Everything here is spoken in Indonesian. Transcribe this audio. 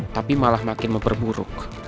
tapi malah makin memperburuk